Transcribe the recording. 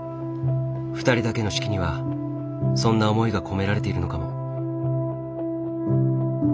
２人だけの式にはそんな思いが込められているのかも。